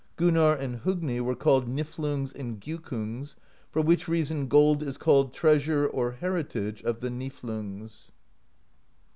Gunnarr and Hogni were called Niflungs and Gjukungs, for which reason gold is called Treasure, or Heritage, of the Niflungs.